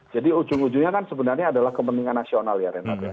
jadi ujung ujungnya kan sebenarnya adalah kepentingan nasional ya renard ya